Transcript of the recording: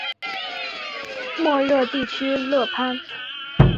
莫热地区勒潘。